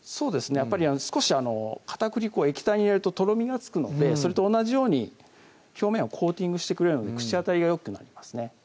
やっぱり少し片栗粉は液体に入れるととろみがつくのでそれと同じように表面をコーティングしてくれるので口当たりがよくなりますね